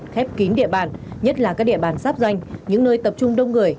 khép kín địa bàn nhất là các địa bàn sắp danh những nơi tập trung đông người